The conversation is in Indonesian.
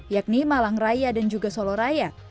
yakni malang raya dan juga solo raya